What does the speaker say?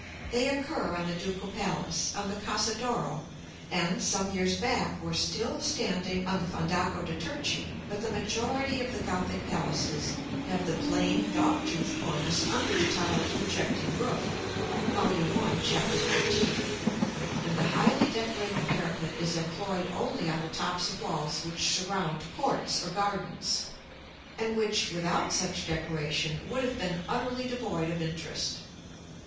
They occur on the Ducal Palace, on the Casa d' Oro, and, some years back, were still standing on the Fondaco de' Turchi; but the majority of the Gothic Palaces have the plain dog tooth cornice under the tiled projecting roof (Vol. I. Chap. XIV. § IV.); and the highly decorated parapet is employed only on the tops of walls which surround courts or gardens, and which, without such decoration, would have been utterly devoid of interest.